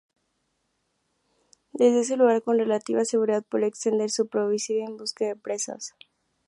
Desde ese lugar con relativa seguridad, podría extender su probóscide en busca de presas.